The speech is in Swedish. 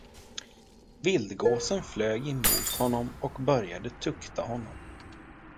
Vildgåsen flög emot honom och började tukta honom.